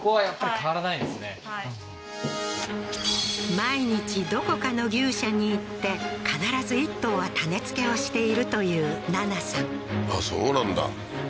毎日どこかの牛舎に行って必ず１頭は種付けをしているという南奈さんあっそうなんだ